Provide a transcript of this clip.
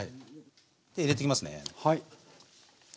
入れてきますね。